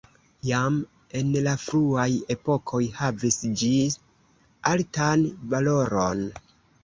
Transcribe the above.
Jam en la fruaj epokoj havis ĝi altan valoron.